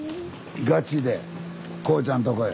ガチで煌ちゃんとこへ。